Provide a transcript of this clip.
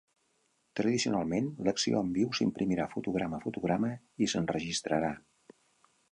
Tradicionalment, l'acció en viu s'imprimirà fotograma a fotograma i s'enregistrarà.